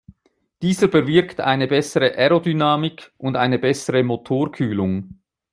Dieser bewirkt eine bessere Aerodynamik und eine bessere Motorkühlung.